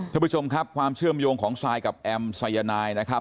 ท่านผู้ชมครับความเชื่อมโยงของซายกับแอมสายนายนะครับ